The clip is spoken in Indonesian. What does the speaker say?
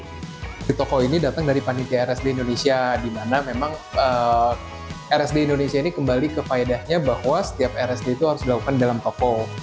toko ini datang dari panitia rsd indonesia dimana memang rsd indonesia ini kembali ke faedahnya bahwa setiap rsd itu harus dilakukan dalam toko